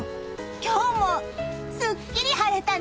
今日もすっきり晴れたね！